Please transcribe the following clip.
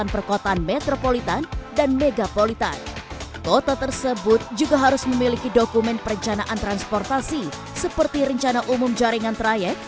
kota tersebut juga harus memiliki dokumen perencanaan transportasi seperti rencana umum jaringan trayek